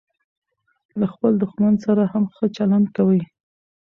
له خپل دوښمن سره هم ښه چلند کوئ!